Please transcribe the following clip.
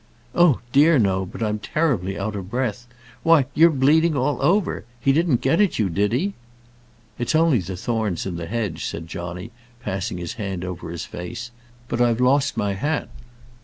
"Oh dear, no; but I'm terribly out of breath. Why, you're bleeding all over. He didn't get at you, did he?" "It's only the thorns in the hedge," said Johnny, passing his hand over his face. "But I've lost my hat."